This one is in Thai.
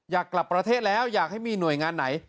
อยากกลับประเทศแล้วอยากให้มีหน่วยงานไหน